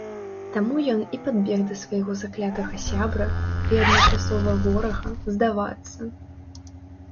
Таму ён і пабег да свайго заклятага сябра і адначасова ворага здавацца.